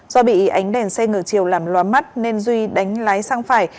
do bị ánh đèn xe ngược chiều làm loá mắt nên duy đánh lái sang phải